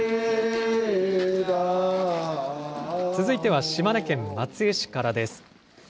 続いては島根県松江市からです。